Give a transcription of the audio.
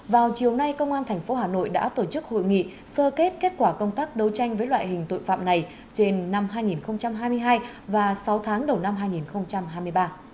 vào chiều nay công an tp hà nội đã tổ chức hội nghị sơ kết kết quả công tác đấu tranh với loại hình tội phạm này trên năm hai nghìn hai mươi hai và sáu tháng đầu năm hai nghìn hai mươi ba